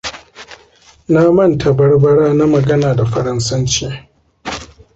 Na manta Barbara na magana da Faransanci.